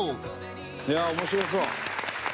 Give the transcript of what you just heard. いやあ面白そう！